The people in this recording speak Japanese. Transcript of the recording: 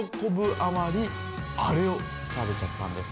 あまりあれを食べちゃったんです。